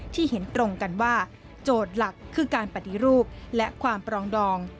เห็นตรงกันว่าโจทย์หลักคือการปฏิรูปและความปรองดอง